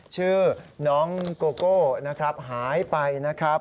ชื่อน้องโกโก้นะครับหายไปนะครับ